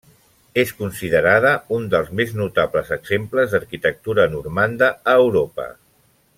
És considerada un dels més notables exemples d'arquitectura normanda a Europa.